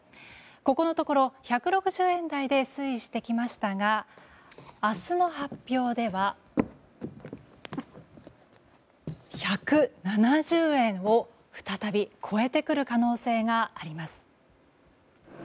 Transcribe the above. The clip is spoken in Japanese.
ここのところ、１６０円台で推移してきましたが明日の発表では１７０円を再び超えてくる可能性があります。